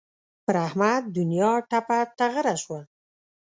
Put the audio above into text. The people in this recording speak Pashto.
پر احمد دونیا ټپه ټغره شوه.